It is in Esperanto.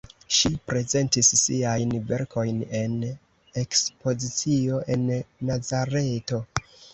Ŝi prezentis siajn verkojn en ekspozicio en Nazareto.